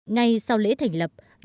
ngay sau lễ thành lập đội đã xuất quân